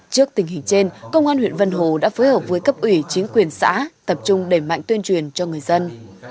trước tình hình trên công an huyện vân hồ đã phối hợp với cấp ủy chính quyền xã tập trung đẩy mạnh tuyên truyền cho người dân